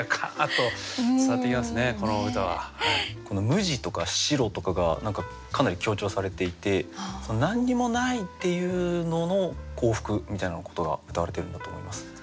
「無地」とか「白」とかがかなり強調されていて何にもないっていうのの幸福みたいなことがうたわれているんだと思います。